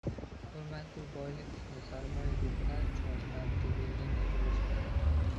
Hurmatni u boylik yo sarmoya deb biladi chog’i, qarzga berganday ulashadi.